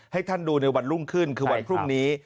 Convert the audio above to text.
ให้ท่านดูในวันรุ่งขึ้นคือวันพรุ่งนี้